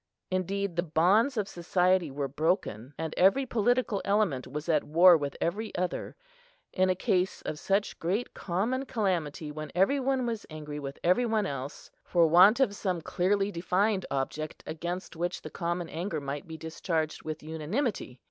Indeed the bonds of society were broken, and every political element was at war with every other, in a case of such great common calamity, when every one was angry with every one else, for want of some clearly defined object against which the common anger might be discharged with unanimity.